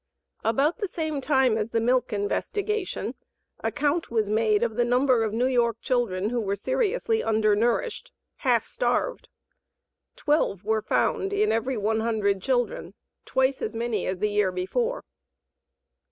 About the same time as the milk investigation, a count was made of the number of New York children who were seriously undernourished half starved. Twelve were found in every 100 children, twice as many as the year before.